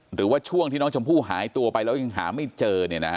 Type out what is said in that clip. หรือว่าช่วงที่น้องชมพู่หายตัวไปแล้วยังหาไม่เจอ